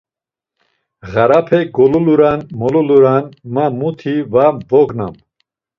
Ğarape goluluran moluluran, ma muti var vognam.